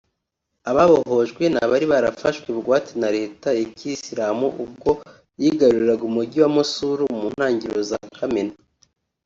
Ababohojwe ni abari barafashwe bugwate na Leta ya Kiyisilamu ubwo yigaruriraga umugi wa Mosul mu ntangiriro za Kamena